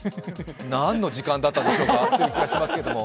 何の時間だったんでしょうか。